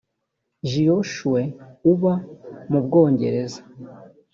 giosue uba mu bwongereza